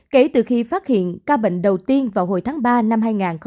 kể từ khi phát hiện ca bệnh đầu tiên vào hồi tháng ba năm hai nghìn hai mươi